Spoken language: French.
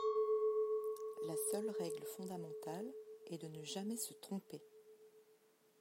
La seule règle fondamentale est de ne jamais se tromper.